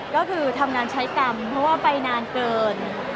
ก็คือทำงานใช้กรรมเพราะว่าไปนานเกิน